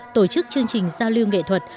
tổ chức chương trình giao lưu nghệ thuật